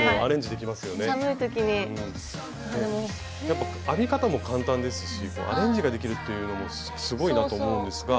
やっぱ編み方も簡単ですしアレンジができるっていうのもすごいなと思うんですが。